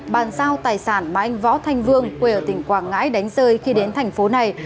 bàn giao tài sản mà anh võ thanh vương quê ở tỉnh quảng ngãi đánh rơi khi đến thành phố này